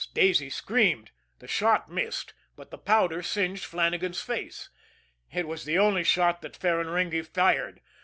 Daisy screamed. The shot missed, but the powder singed Flannagan's face. It was the only shot that Ferraringi fired!